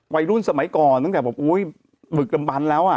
วัยรุ่นสมัยก่อนตั้งแต่บอกอุ้ยบึกดำบันแล้วอ่ะ